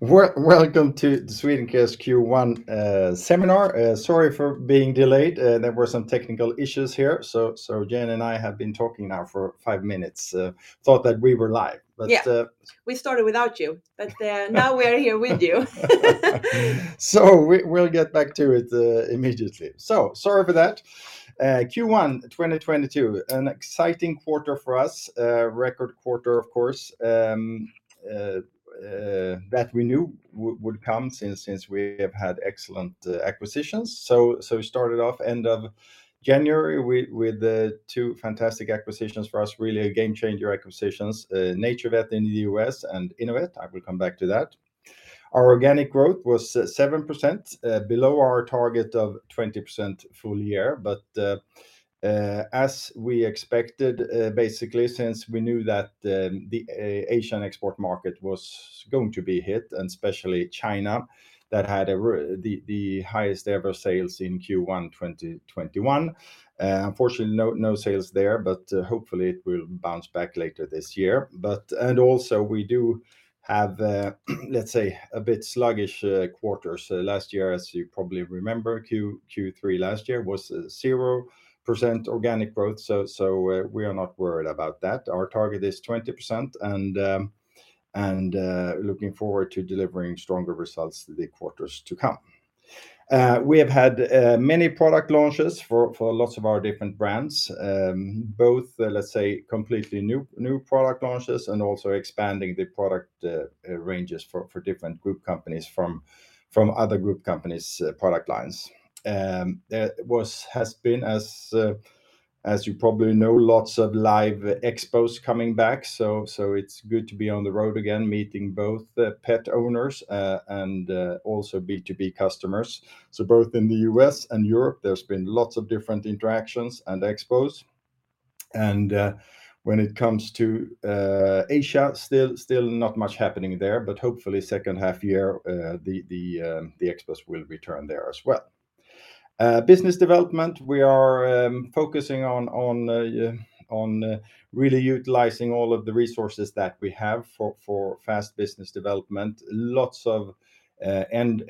Welcome to Swedencare's Q1 seminar. Sorry for being delayed. There were some technical issues here, so Jenn and I have been talking now for five minutes, thought that we were live, but. Yeah, we started without you, but now we are here with you. We'll get back to it immediately. Sorry for that. Q1 2022, an exciting quarter for us. Record quarter, of course, that we knew would come since we have had excellent acquisitions. We started off end of January with two fantastic acquisitions for us, really game-changer acquisitions, NaturVet in the U.S. and Innovet. I will come back to that. Our organic growth was 7%, below our target of 20% full year. As we expected, basically since we knew that the Asian export market was going to be hit, and especially China, that had the highest ever sales in Q1 2021. Unfortunately, no sales there, but hopefully it will bounce back later this year. We do have, let's say a bit sluggish quarter. Last year, as you probably remember, Q3 last year was 0% organic growth. We are not worried about that. Our target is 20% and looking forward to delivering stronger results the quarters to come. We have had many product launches for lots of our different brands, both, let's say, completely new product launches and also expanding the product ranges for different group companies from other group companies' product lines. There has been, as you probably know, lots of live expos coming back, so it's good to be on the road again, meeting both the pet owners and also B2B customers. Both in the U.S. and Europe, there's been lots of different interactions and expos. When it comes to Asia, still not much happening there, but hopefully second half year, the expos will return there as well. Business development, we are focusing on really utilizing all of the resources that we have for fast business development. Lots of end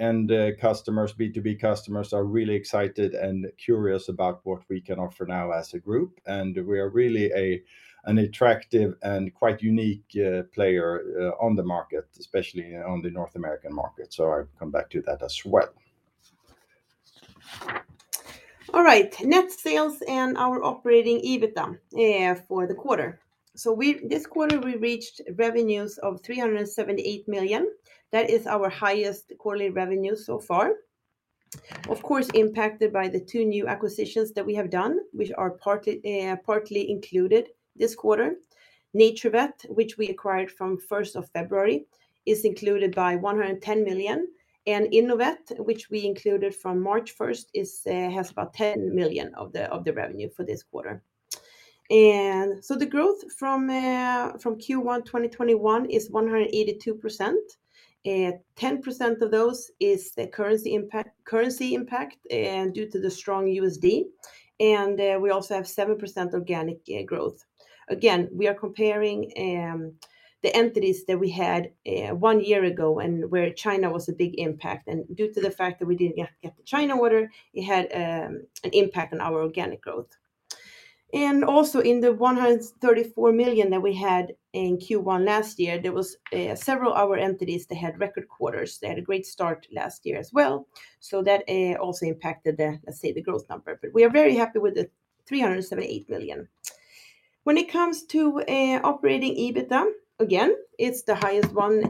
customers, B2B customers are really excited and curious about what we can offer now as a group, and we are really an attractive and quite unique player on the market, especially on the North American market. I'll come back to that as well. All right, net sales and our operating EBITA for the quarter. This quarter, we reached revenues of 378 million. That is our highest quarterly revenue so far. Of course, impacted by the two new acquisitions that we have done, which are partly included this quarter. NaturVet, which we acquired from 1st of February, is included by 110 million, and Innovet, which we included from March 1st, has about 10 million of the revenue for this quarter. The growth from Q1 2021 is 182%. 10% of those is the currency impact due to the strong USD. We also have 7% organic growth. Again, we are comparing the entities that we had one year ago and where China was a big impact. Due to the fact that we didn't get the China order, it had an impact on our organic growth. Also in the 134 million that we had in Q1 last year, there was several of our entities that had record quarters. They had a great start last year as well, so that also impacted the, let's say, the growth number. We are very happy with the 378 million. When it comes to Operating EBITA, again, it's the highest one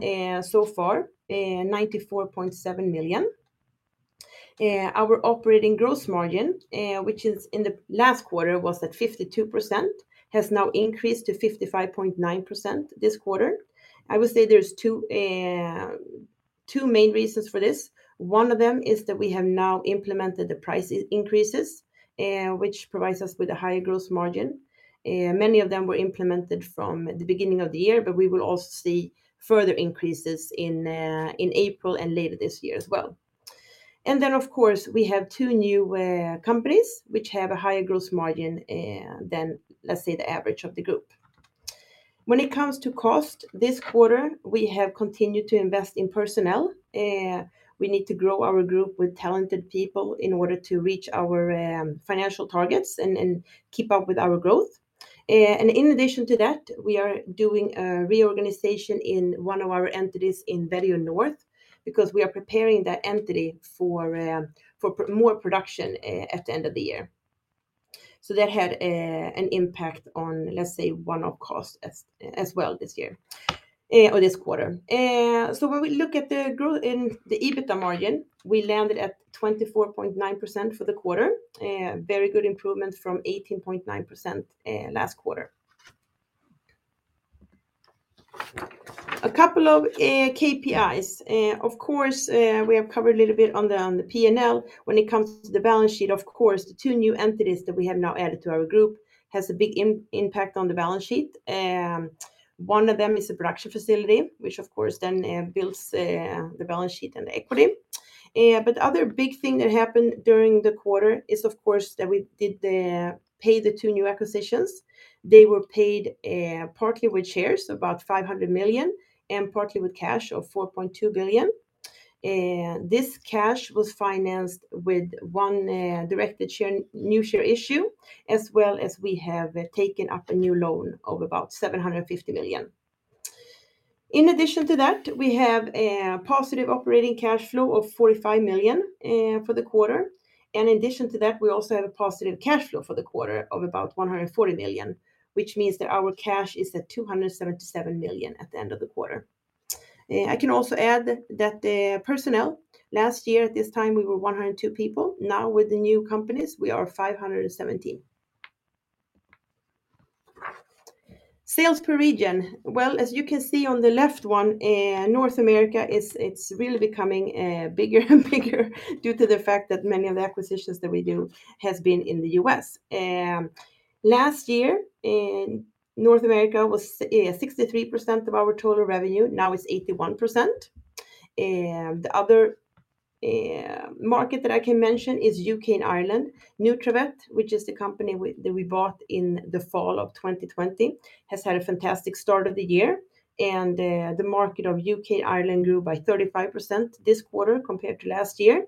so far, 94.7 million. Our operating gross margin, which in the last quarter was at 52%, has now increased to 55.9% this quarter. I would say there's two main reasons for this. One of them is that we have now implemented the price increases, which provides us with a higher gross margin. Many of them were implemented from the beginning of the year, but we will also see further increases in April and later this year as well. Of course, we have two new companies which have a higher gross margin than, let's say, the average of the group. When it comes to cost, this quarter, we have continued to invest in personnel. We need to grow our group with talented people in order to reach our financial targets and keep up with our growth. In addition to that, we are doing a reorganization in one of our entities in Vetio North because we are preparing that entity for more production at the end of the year. That had an impact on, let's say, one-off costs as well this year, or this quarter. When we look at the growth in the EBITA margin, we landed at 24.9% for the quarter. Very good improvement from 18.9% last quarter. A couple of KPIs. Of course, we have covered a little bit on the P&L. When it comes to the balance sheet, of course, the two new entities that we have now added to our group has a big impact on the balance sheet. One of them is a production facility, which of course then builds the balance sheet and equity. The other big thing that happened during the quarter is, of course, that we paid for the two new acquisitions. They were paid partly with shares, about 500 million, and partly with cash of 4.2 billion. This cash was financed with one directed share new share issue, as well as we have taken up a new loan of about 750 million. In addition to that, we have a positive operating cash flow of 45 million for the quarter. In addition to that, we also have a positive cash flow for the quarter of about 140 million, which means that our cash is at 277 million at the end of the quarter. I can also add that the personnel, last year at this time, we were 102 people. Now with the new companies, we are 517. Sales per region. Well, as you can see on the left one, North America is. It's really becoming bigger and bigger due to the fact that many of the acquisitions that we do has been in the U.S. Last year in North America was 63% of our total revenue. Now it's 81%. The other market that I can mention is U.K. and Ireland. Nutravet, which is the company that we bought in the fall of 2020, has had a fantastic start of the year. The market of U.K., Ireland grew by 35% this quarter compared to last year.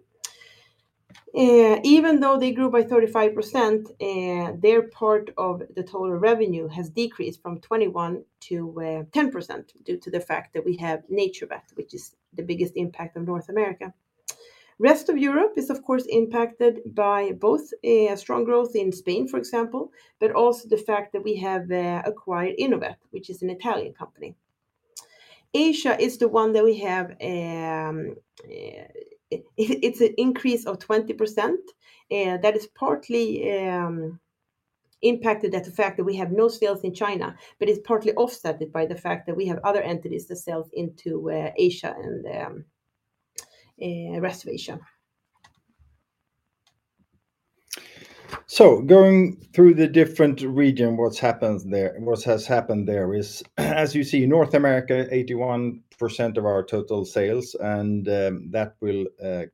Even though they grew by 35%, their part of the total revenue has decreased from 21 to 10% due to the fact that we have NaturVet, which is the biggest impact on North America. Rest of Europe is of course impacted by both a strong growth in Spain, for example, but also the fact that we have acquired Innovet, which is an Italian company. Asia is the one that we have it's an increase of 20%. That is partly impacted by the fact that we have no sales in China, but it's partly offset by the fact that we have other entities that sell into Asia and rest of Asia. Going through the different region, what's happened there is, as you see, North America, 81% of our total sales, and that will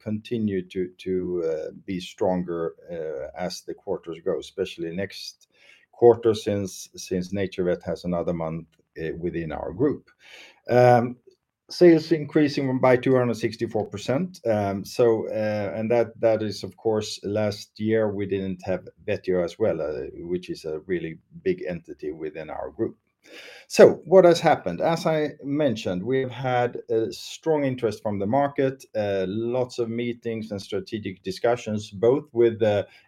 continue to be stronger as the quarters go, especially next quarter since NaturVet has another month within our group. Sales increasing by 264%. And that is, of course, last year we didn't have Vetio as well, which is a really big entity within our group. What has happened? As I mentioned, we've had a strong interest from the market, lots of meetings and strategic discussions, both with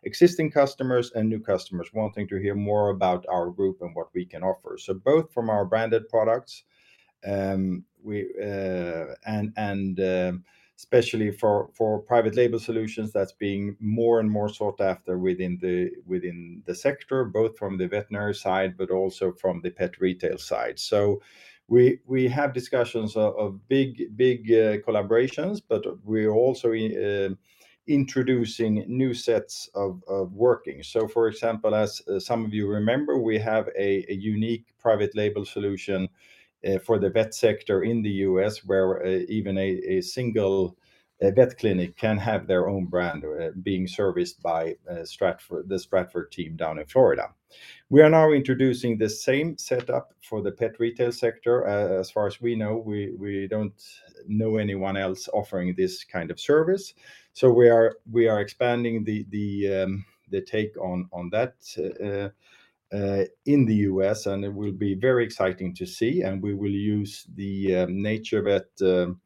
existing customers and new customers wanting to hear more about our group and what we can offer. Both from our branded products, we and especially for private label solutions, that's being more and more sought after within the sector, both from the veterinary side, but also from the pet retail side. We have discussions of big collaborations, but we're also introducing new sets of working. For example, as some of you remember, we have a unique private label solution for the vet sector in the U.S. where even a single vet clinic can have their own brand being serviced by Stratford, the Stratford team down in Florida. We are now introducing the same setup for the pet retail sector. As far as we know, we don't know anyone else offering this kind of service. We are expanding the take on that in the U.S., and it will be very exciting to see. We will use the NaturVet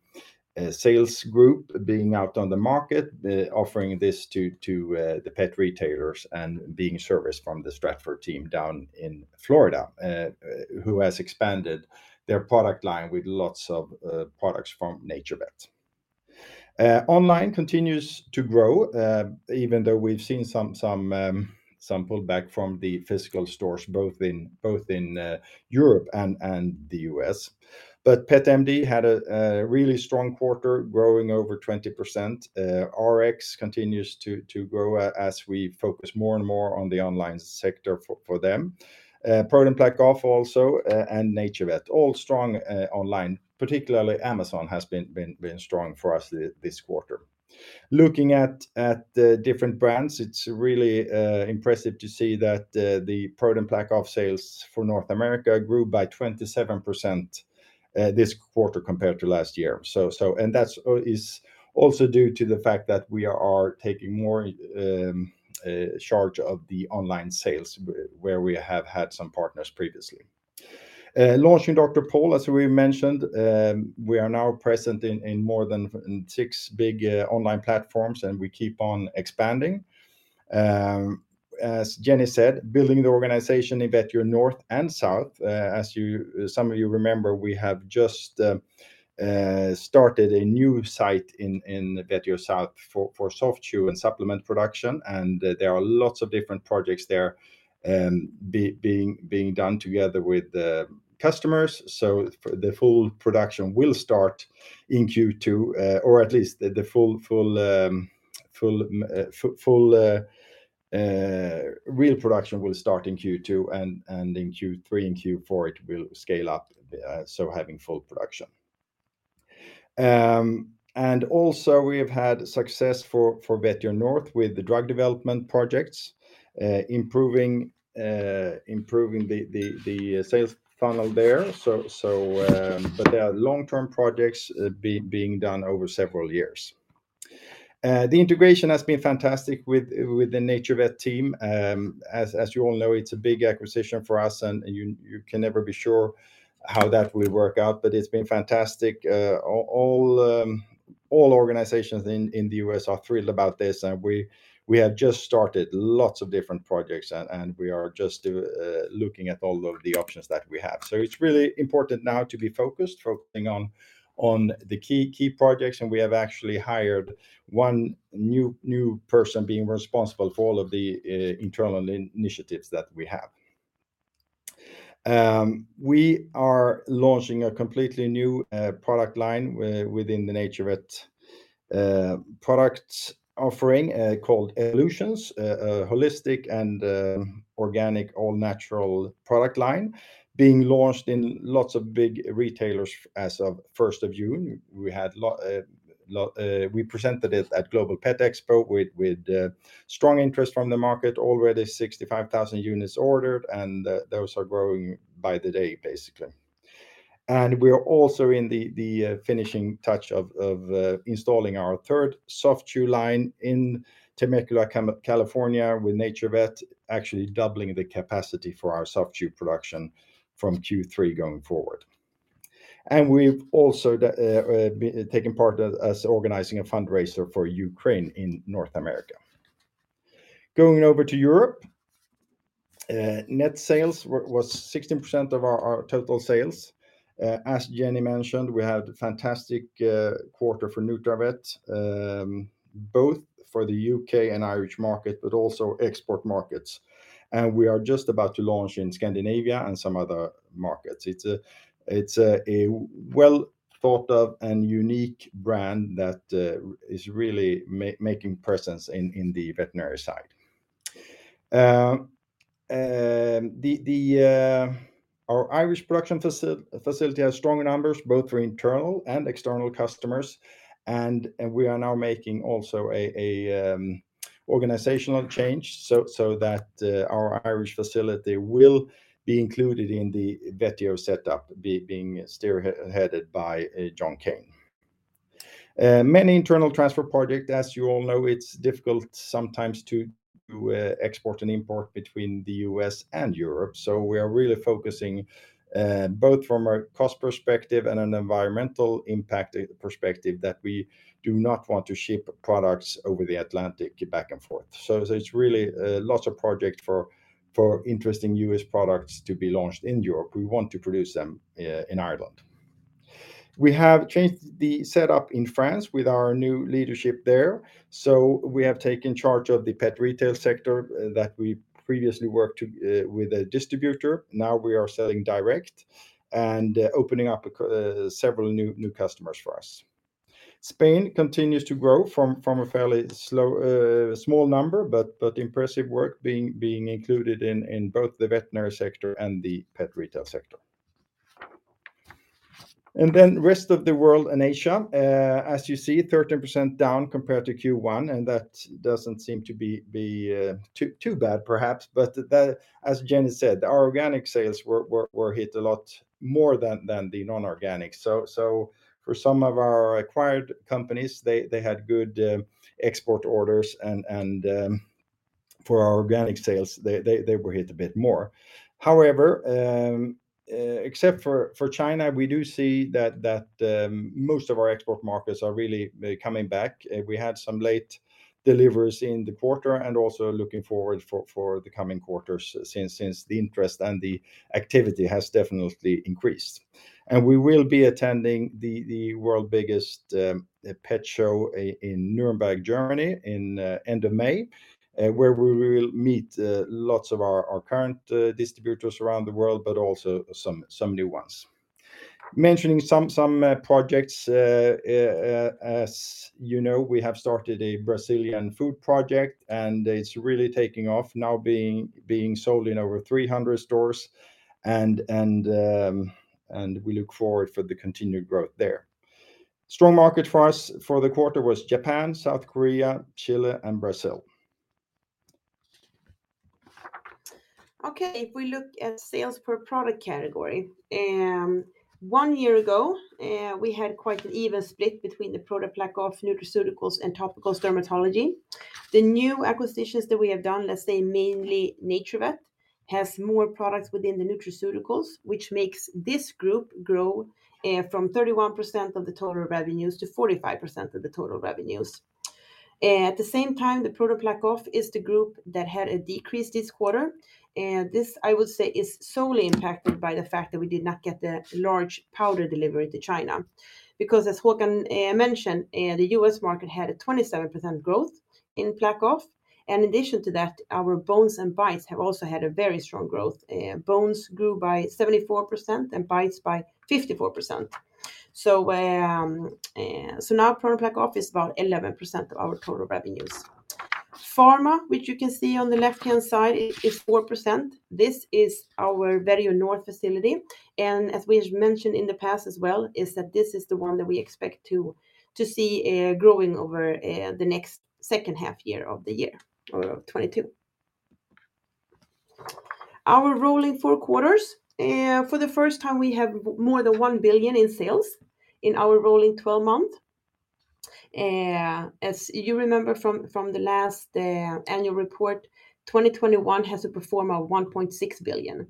sales group being out on the market, offering this to the pet retailers and being serviced from the Stratford team down in Florida, who has expanded their product line with lots of products from NaturVet. Online continues to grow, even though we've seen some pullback from the physical stores, both in Europe and the U.S. Pet MD had a really strong quarter, growing over 20%. Rx continues to grow as we focus more and more on the online sector for them. ProDen PlaqueOff also, and NaturVet, all strong online. Particularly Amazon has been strong for us this quarter. Looking at different brands, it's really impressive to see that the ProDen PlaqueOff sales for North America grew by 27% this quarter compared to last year. That's also due to the fact that we are taking more charge of the online sales where we have had some partners previously. Launching Dr. Pol, as we mentioned, we are now present in more than six big online platforms, and we keep on expanding. As Jenny said, building the organization in Vetio North and South. As some of you remember, we have just started a new site in Vetio South for soft chew and supplement production, and there are lots of different projects there, being done together with the customers. The full production will start in Q2, or at least the full real production will start in Q2, and in Q3 and Q4 it will scale up, so having full production. We have had success for Vetio North with the drug development projects, improving the sales funnel there. There are long-term projects being done over several years. The integration has been fantastic with the NaturVet team. As you all know, it's a big acquisition for us and you can never be sure how that will work out, but it's been fantastic. All organizations in the U.S. are thrilled about this, and we have just started lots of different projects and we are just looking at all of the options that we have. It's really important now to be focused, focusing on the key projects, and we have actually hired one new person being responsible for all of the internal initiatives that we have. We are launching a completely new product line within the NaturVet products offering, called Evolutions, a holistic and organic, all-natural product line being launched in lots of big retailers as of 1st of June. We presented it at Global Pet Expo with strong interest from the market. Already 65,000 units ordered, and those are growing by the day, basically. We are also in the finishing touches of installing our third soft chew line in Temecula, California with NaturVet, actually doubling the capacity for our soft chew production from Q3 going forward. We've also taken part in organizing a fundraiser for Ukraine in North America. Going over to Europe, net sales was 16% of our total sales. As Jenny mentioned, we had a fantastic quarter for NutraVet both for the U.K. and Irish market, but also export markets. We are just about to launch in Scandinavia and some other markets. It's a well-thought-of and unique brand that is really making presence in the veterinary side. Our Irish production facility has strong numbers both for internal and external customers, and we are now making also a organizational change so that our Irish facility will be included in the Vetio setup, being headed by John Kane. Many internal transfer project, as you all know, it's difficult sometimes to export and import between the U.S. and Europe. We are really focusing both from a cost perspective and an environmental impact perspective that we do not want to ship products over the Atlantic back and forth. It's really lots of project for interesting U.S. products to be launched in Europe. We want to produce them in Ireland. We have changed the setup in France with our new leadership there. We have taken charge of the pet retail sector that we previously worked with a distributor. Now we are selling direct and opening up several new customers for us. Spain continues to grow from a fairly slow small number, but impressive work being included in both the veterinary sector and the pet retail sector. Then rest of the world and Asia, as you see, 13% down compared to Q1, and that doesn't seem to be too bad perhaps, but as Jenny said, our organic sales were hit a lot more than the non-organic. For some of our acquired companies, they had good export orders and for our organic sales, they were hit a bit more. However, except for China, we do see that most of our export markets are really coming back. We had some late deliveries in the quarter and also looking forward for the coming quarters since the interest and the activity has definitely increased. We will be attending the world's biggest pet show in Nuremberg, Germany in end of May, where we will meet lots of our current distributors around the world, but also some new ones. Mentioning some projects, as you know, we have started a Brazilian food project, and it's really taking off now being sold in over 300 stores and we look forward for the continued growth there. Strong market for us for the quarter was Japan, South Korea, Chile, and Brazil. Okay, if we look at sales per product category, one year ago, we had quite an even split between the ProDen PlaqueOff, nutraceuticals, and topical dermatology. The new acquisitions that we have done, let's say mainly NaturVet, has more products within the nutraceuticals, which makes this group grow, from 31% of the total revenues to 45% of the total revenues. At the same time, the ProDen PlaqueOff is the group that had a decrease this quarter. This I would say is solely impacted by the fact that we did not get the large powder delivery to China. Because as Håkan mentioned, the U.S. market had a 27% growth in ProDen PlaqueOff, and in addition to that, our Bones and Bites have also had a very strong growth. Bones grew by 74% and Bites by 54%. Now ProDen PlaqueOff is about 11% of our total revenues. Pharma, which you can see on the left-hand side, is 4%. This is our Vetio North facility, and as we have mentioned in the past as well, is that this is the one that we expect to see growing over the next second half year of the year, or of 2022. Our rolling four quarters. For the first time, we have more than 1 billion in sales in our rolling twelve-month. As you remember from the last annual report, 2021 has a pro forma of 1.6 billion.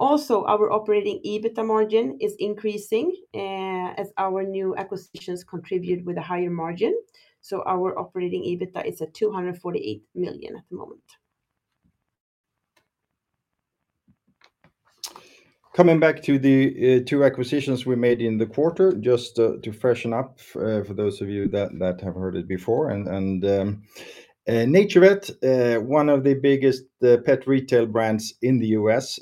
Also our operating EBITDA margin is increasing, as our new acquisitions contribute with a higher margin. Our operating EBITDA is at 248 million at the moment. Coming back to the two acquisitions we made in the quarter, just to freshen up for those of you that have heard it before. NaturVet, one of the biggest pet retail brands in the U.S.,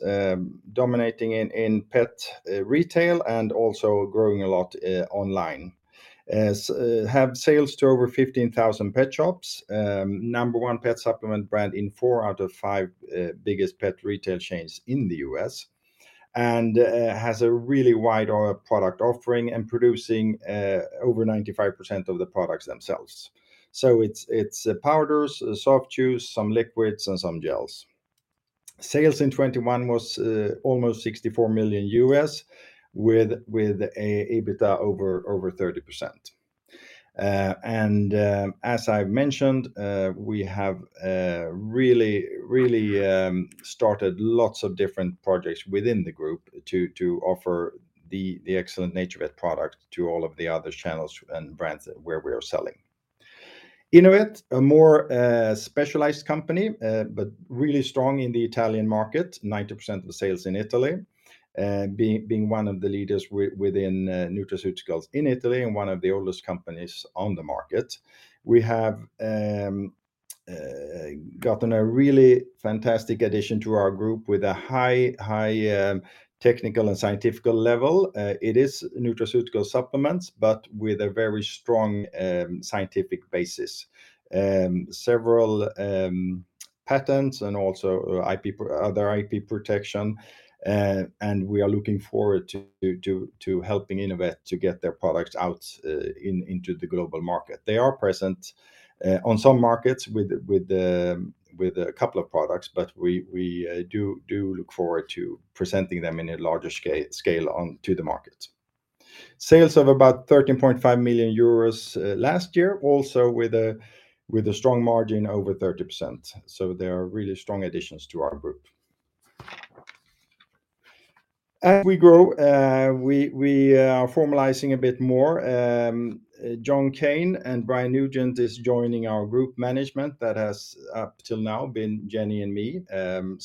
dominating in pet retail and also growing a lot online. Have sales to over 15,000 pet shops, number one pet supplement brand in four out of five biggest pet retail chains in the U.S., and has a really wide product offering and producing over 95% of the products themselves. It's powders, soft chews, some liquids, and some gels. Sales in 2021 was almost $64 million with a EBITA over 30%. As I've mentioned, we have really started lots of different projects within the group to offer the excellent NaturVet product to all of the other channels and brands where we are selling. Innovet, a more specialized company, but really strong in the Italian market, 90% of the sales in Italy, being one of the leaders within nutraceuticals in Italy and one of the oldest companies on the market. We have gotten a really fantastic addition to our group with a high technical and scientific level. It is nutraceutical supplements, but with a very strong scientific basis. Several patents and also other IP protection. We are looking forward to helping Innovet to get their products out into the global market. They are present on some markets with a couple of products, but we do look forward to presenting them in a larger scale onto the market. Sales of about 13.5 million euros last year, also with a strong margin over 30%. They are really strong additions to our group. As we grow, we are formalizing a bit more. John Kane and Brian Nugent is joining our group management that has up till now been Jenny and me. They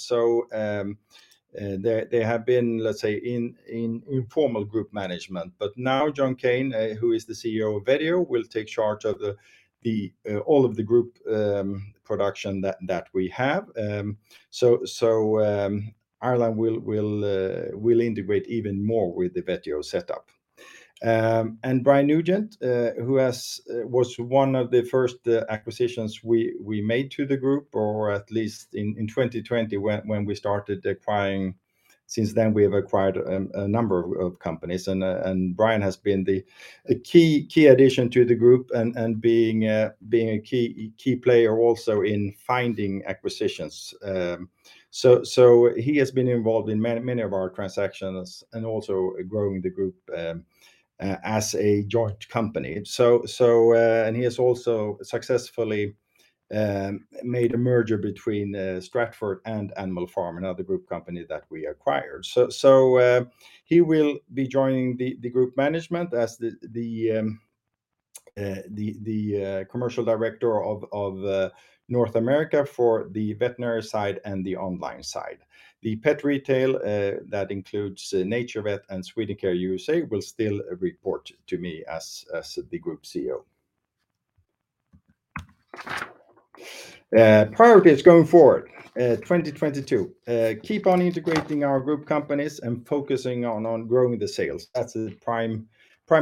have been, let's say, in informal group management. Now John Kane, who is the CEO of Vetio, will take charge of all of the group production that we have. Ireland will integrate even more with the Vetio setup. Brian Nugent, who was one of the first acquisitions we made to the group, or at least in 2020 when we started acquiring. Since then, we have acquired a number of companies and Brian has been a key addition to the group and being a key player also in finding acquisitions. He has been involved in many of our transactions and also growing the group as a joint company. He has also successfully made a merger between Stratford and Animal Pharm, another group company that we acquired. He will be joining the group management as the commercial director of North America for the veterinary side and the online side. The pet retail that includes NaturVet and Swedencare U.S. Will still report to me as the group CEO. Priorities going forward, 2022. Keep on integrating our group companies and focusing on growing the sales. That's the prime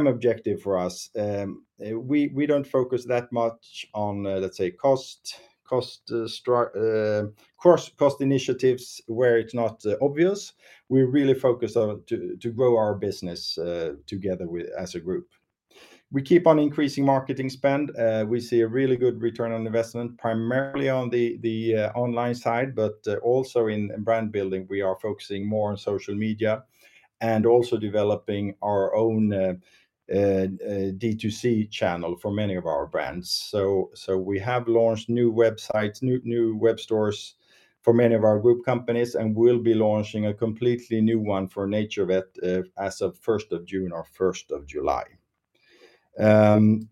objective for us. We don't focus that much on, let's say, cost initiatives where it's not obvious. We really focus on to grow our business, together with as a group. We keep on increasing marketing spend. We see a really good return on investment, primarily on the online side, but also in brand building. We are focusing more on social media and also developing our own D2C channel for many of our brands. We have launched new websites, new web stores for many of our group companies, and we'll be launching a completely new one for NaturVet as of first of June or first of July. Brand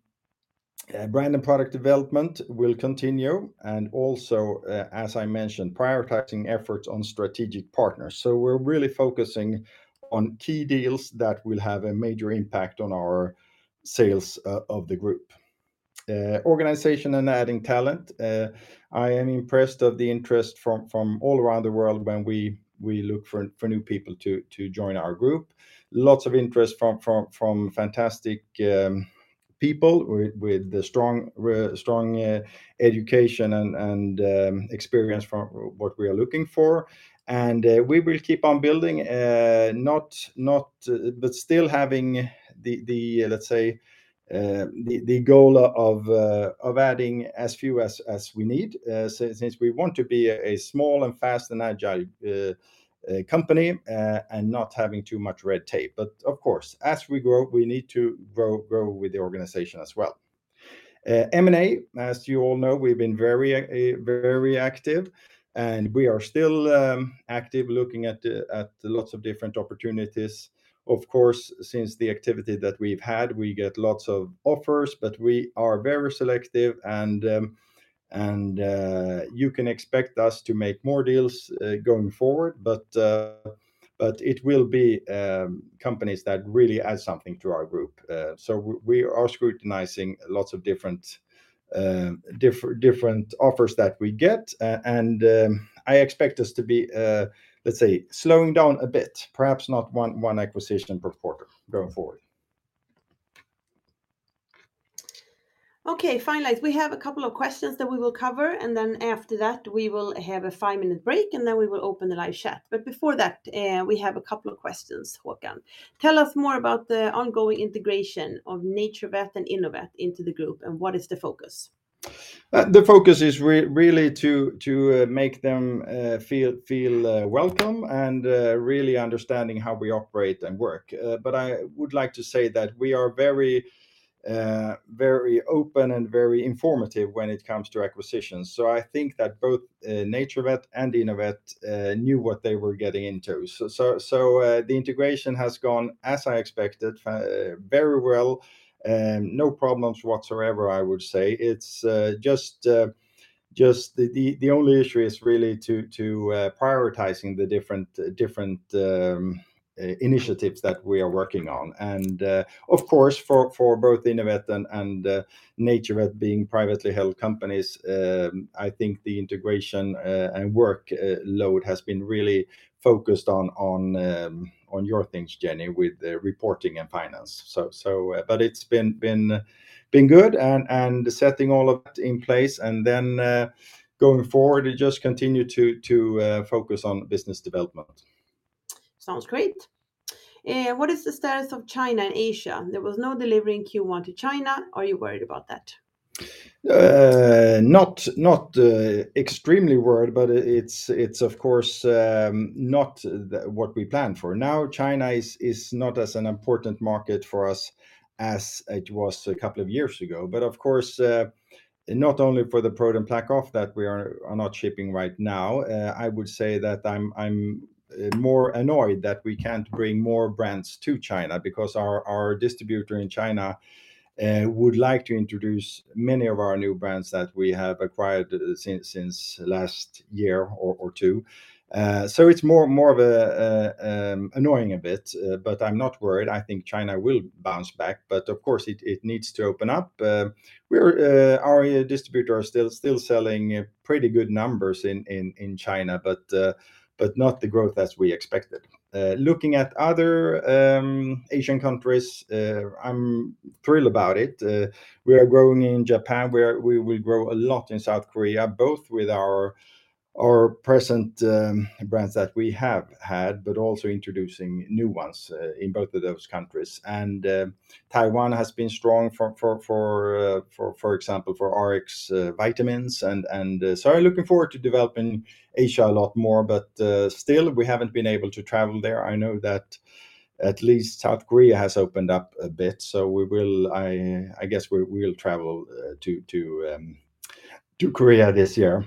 and product development will continue, and also, as I mentioned, prioritizing efforts on strategic partners. We're really focusing on key deals that will have a major impact on our sales of the group. Organization and adding talent. I am impressed of the interest from all around the world when we look for new people to join our group. Lots of interest from fantastic people with the strong education and experience from what we are looking for. We will keep on building but still having, let's say, the goal of adding as few as we need since we want to be a small and fast and agile company and not having too much red tape. Of course, as we grow, we need to grow with the organization as well. M&A, as you all know, we've been very active, and we are still active looking at lots of different opportunities. Of course, since the activity that we've had, we get lots of offers, but we are very selective and you can expect us to make more deals going forward. It will be companies that really add something to our group. We are scrutinizing lots of different offers that we get. I expect us to be, let's say, slowing down a bit, perhaps not one acquisition per quarter going forward. Okay. Finally, we have a couple of questions that we will cover, and then after that, we will have a five-minute break, and then we will open the live chat. Before that, we have a couple of questions, Håkan. Tell us more about the ongoing integration of NaturVet and Innovet into the group, and what is the focus? The focus is really to make them feel welcome and really understanding how we operate and work. I would like to say that we are very open and very informative when it comes to acquisitions. I think that both NaturVet and Innovet knew what they were getting into. The integration has gone as I expected very well. No problems whatsoever, I would say. It's just the only issue is really to prioritizing the different initiatives that we are working on. Of course, for both Innovet and NaturVet being privately held companies, I think the integration and workload has been really focused on your things, Jenny, with the reporting and finance. It's been good and setting all of that in place, and then going forward, it just continue to focus on business development. Sounds great. What is the status of China and Asia? There was no delivery in Q1 to China. Are you worried about that? I'm not extremely worried, but it's of course not what we planned for. Now, China is not as an important market for us as it was a couple of years ago. Of course, not only for the ProDen PlaqueOff that we are not shipping right now, I would say that I'm more annoyed that we can't bring more brands to China because our distributor in China would like to introduce many of our new brands that we have acquired since last year or two. It's more of an annoying bit, but I'm not worried. I think China will bounce back, but of course, it needs to open up. Our distributor are still selling pretty good numbers in China, but not the growth as we expected. Looking at other Asian countries, I'm thrilled about it. We are growing in Japan. We will grow a lot in South Korea, both with our present brands that we have had, but also introducing new ones in both of those countries. Taiwan has been strong, for example, for Rx Vitamins. Looking forward to developing Asia a lot more, but still we haven't been able to travel there. I know that at least South Korea has opened up a bit, so we will, I guess we'll travel to Korea this year,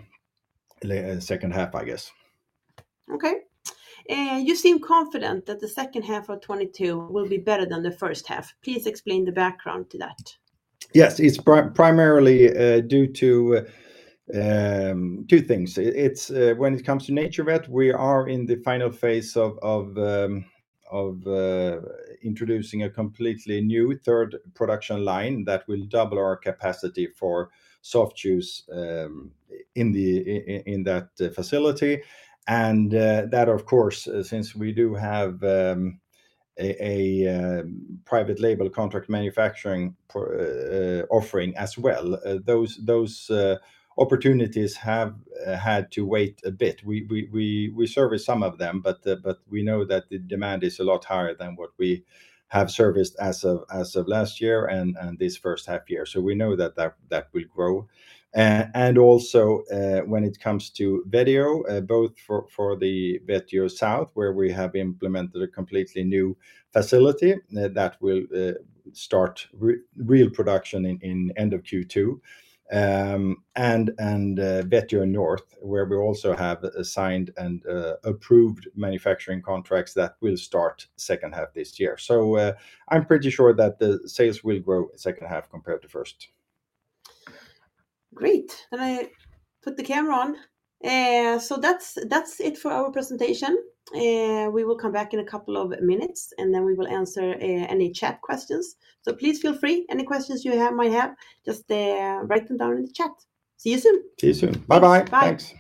second half, I guess. Okay. You seem confident that the second half of 2022 will be better than the first half. Please explain the background to that. Yes. It's primarily due to two things. It's when it comes to NaturVet, we are in the final phase of introducing a completely new third production line that will double our capacity for soft chews in that facility. That of course, since we do have a private label contract manufacturing offering as well, those opportunities have had to wait a bit. We service some of them, but we know that the demand is a lot higher than what we have serviced as of last year and this first half year. We know that that will grow. When it comes to Vetio, both for the Vetio South, where we have implemented a completely new facility, that will start real production in end of Q2. Vetio North, where we also have assigned and approved manufacturing contracts that will start second half this year. I'm pretty sure that the sales will grow second half compared to first. Great. Let me put the camera on. That's it for our presentation. We will come back in a couple of minutes, and then we will answer any chat questions. Please feel free. Any questions you have, might have, just write them down in the chat. See you soon. See you soon. Bye-bye. Bye. Thanks.